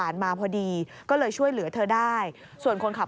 โดดลงรถหรือยังไงครับ